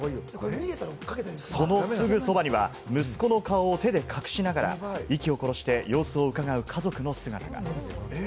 そのすぐそばには、息子の顔を手で隠しながら、息を殺して様子をうかがう家族の姿が。